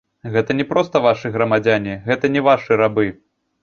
Гэта не проста вашы грамадзяне, гэта не вашы рабы.